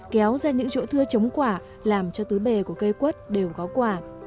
kéo ra những chỗ thưa chống quả làm cho tứ bề của cây quất đều có quả